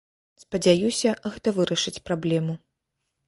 Спадзяюся, гэта вырашыць праблему.